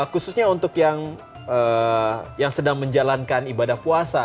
khususnya untuk yang sedang menjalankan ibadah puasa